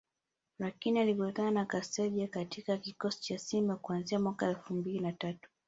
lakini alikutana na Kaseja katika kikosi cha Simba kuanzia mwaka elfu mbili na tatu